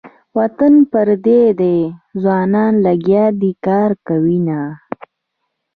وطن پردی ده ځوانان لګیا دې کار کوینه.